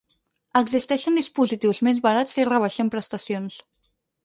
Existeixen dispositius més barats si rebaixem prestacions.